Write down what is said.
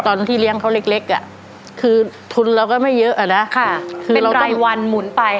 ตอนที่เลี้ยงเขาเล็กอ่ะคือทุนเราก็ไม่เยอะอ่ะนะค่ะคือเป็นรายวันหมุนไป